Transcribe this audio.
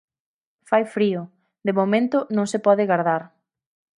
Fai frío, de momento non se pode gardar.